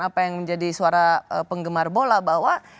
apa yang menjadi suara penggemar bola bahwa